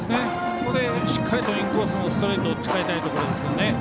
ここでしっかりとインコースのストレートを使いたいところですね。